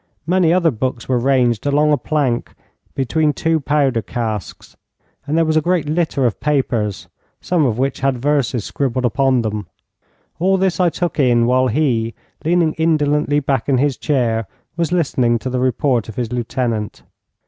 Many other books were ranged along a plank between two powder casks, and there was a great litter of papers, some of which had verses scribbled upon them. All this I took in while he, leaning indolently back in his chair, was listening to the report of his lieutenant.